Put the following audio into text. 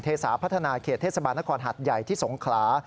สาพัฒนาเขตเทศบาลนครหัดใหญ่ที่สงขลา